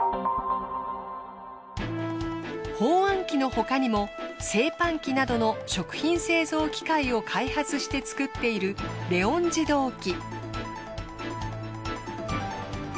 包あん機の他にも製パン機などの食品製造機械を開発して作っているレオン自動機。